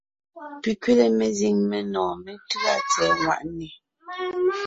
Pi kẅile mezíŋ menɔ̀ɔn méntʉ́a tsɛ̀ɛ ŋwàʼne.